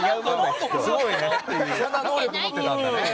そんな能力持ってたんだね。